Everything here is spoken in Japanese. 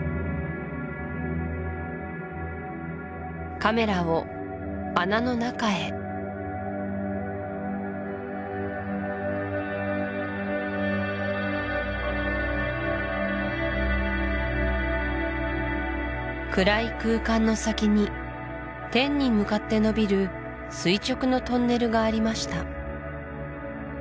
カメラを穴の中へ暗い空間の先に天に向かってのびる垂直のトンネルがありました